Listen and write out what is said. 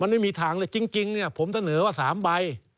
มันไม่มีทางเลยจริงเนี่ยผมเสนอว่า๓ใบ